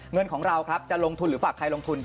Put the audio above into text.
เงินของเราครับจะลงทุนหรือฝากใครลงทุน